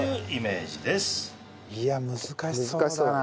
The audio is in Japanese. いや難しそうだな。